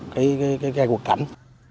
cái quật cảnh